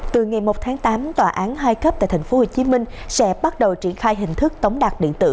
từ ngày một tháng tám tòa án hai cấp tại tp hcm sẽ bắt đầu triển khai hình thức tống đạt điện tử